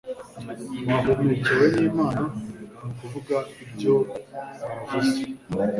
bahumekewe n'imana mu kuvuga ibyo bavuze